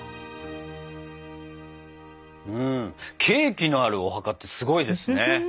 うんケーキのあるお墓ってすごいですね。